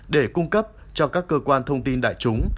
để cung cấp cho các cơ quan thông tin đại chúng